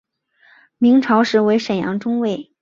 明朝时为沈阳中卫。